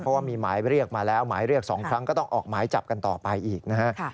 เพราะว่ามีหมายเรียกมาแล้วหมายเรียก๒ครั้งก็ต้องออกหมายจับกันต่อไปอีกนะฮะ